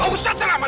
masa tak ada